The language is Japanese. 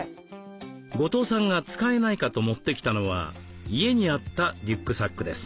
後藤さんが使えないかと持ってきたのは家にあったリュックサックです。